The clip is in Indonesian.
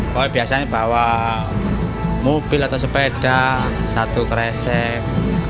koi biasanya bawa mobil atau sepeda satu kresek